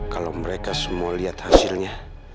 kalau mereka semua lihat hasilnya